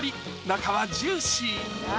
中はジューシー！